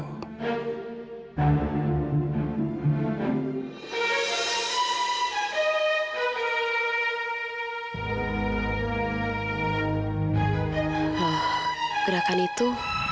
wah gerakan itu